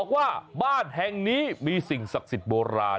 ว่าบ้านแห่งนี้มีสิ่งศักดิ์สิทธิ์โบราณ